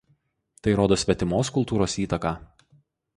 Tai rodo svetimos kultūros įtaką.